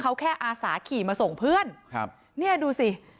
เขาแค่อาสาขี่มาส่งเพื่อนครับเนี่ยดูสิ